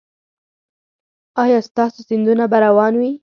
ایا ستاسو سیندونه به روان وي؟